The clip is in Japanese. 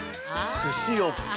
すしおけ。